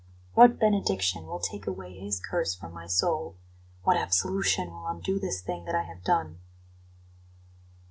What benediction will take away His curse from my soul? What absolution will undo this thing that I have done?"